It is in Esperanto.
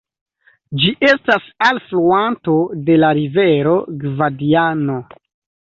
Ĝi estas alfluanto de la rivero Gvadiano.